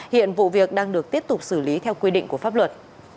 hiện vụ việc đang được tiếp tục xử lý theo quy định của pháp luật